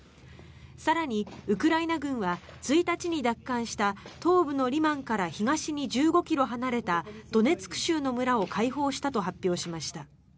更に、ウクライナ軍は１日に奪還した東部のリマンから東に１５ｋｍ離れたドネツク州の村を解放したと発表しました。